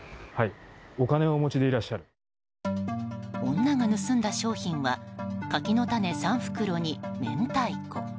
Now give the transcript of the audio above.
女が盗んだ商品は柿の種３袋に明太子。